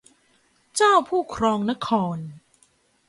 เจ้าผู้ครองนคร